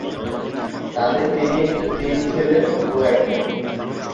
তাদের তিনি তিন ছেলে ও এক মেয়ে।